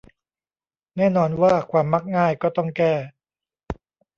แน่นอนว่าความมักง่ายก็ต้องแก้